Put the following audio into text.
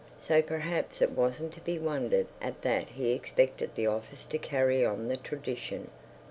So perhaps it wasn't to be wondered at that he expected the office to carry on the tradition.